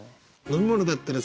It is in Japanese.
「飲み物だったら？